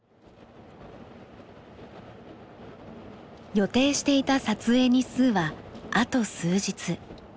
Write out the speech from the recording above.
予定していた撮影日数はあと数日。